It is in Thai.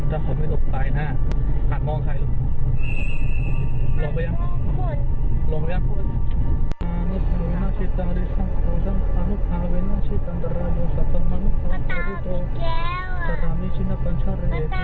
ตามอีกแล้วตาม๒คนมา